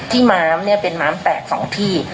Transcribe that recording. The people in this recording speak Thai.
ที่มาร์มเนี่ยเป็นมาร์มแตกสองที่